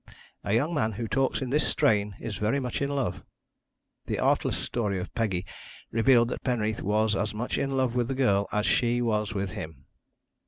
A young man who talks in this strain is very much in love. The artless story of Peggy revealed that Penreath was as much in love with the girl as she was with him.